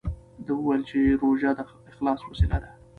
ده وویل چې روژه د اخلاص وسیله ده.